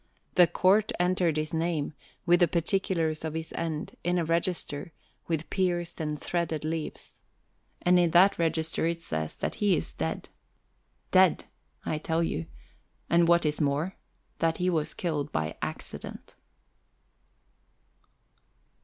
The court entered his name, with the particulars of his end, in a register with pierced and threaded leaves. And in that register it says that he is dead dead, I tell you and what is more, that he was killed by accident.